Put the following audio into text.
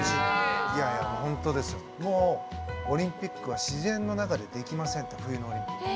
もうオリンピックは自然の中でできませんって冬のオリンピック。